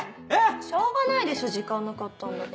しょうがないでしょ時間なかったんだから。